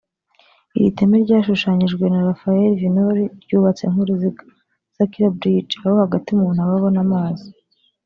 Iri teme ryashushanyijwe na Rafael Viñoly ryubatse nk’uruziga (circular brigde) aho hagati umuntu aba abona amazi